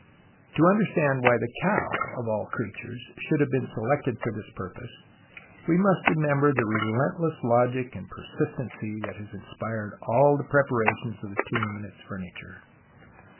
To understand why the cow, of all creatures, should have been selected for this purpose, we must remember the relentless logic and per sistency that inspired all the preparations of the tomb and its furniture.